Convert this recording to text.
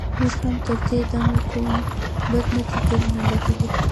موږ هم تر دې دمه کوم بد نه دي درنه ليدلي.